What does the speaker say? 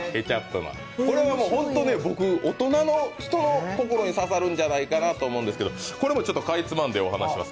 これは本当に大人の人の心に刺さるんじゃないかなと思うんですけどこれもかいつまんでお話しします。